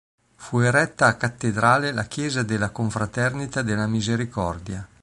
Fu eretta a cattedrale la chiesa della confraternita della Misericordia.